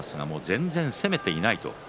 全然攻めていないと。